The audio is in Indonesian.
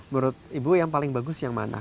menurut ibu yang paling bagus yang mana